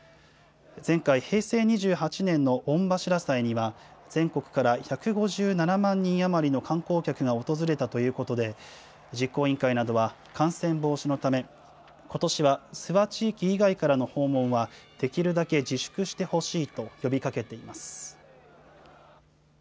前回・平成２８年の御柱祭には、全国から１５７万人余りの観光客が訪れたということで、実行委員会などは感染防止のため、ことしは諏訪地域以外からの訪問はできるだけ自粛してほしいと呼びかけています。